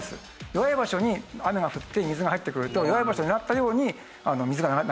弱い場所に雨が降って水が入ってくると弱い場所を狙ったように水が流れます。